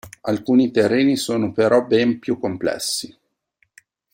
Alcuni terreni sono però ben più complessi.